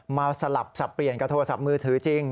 สลับสับเปลี่ยนกับโทรศัพท์มือถือจริง